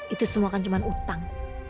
itu semua kan cuma utang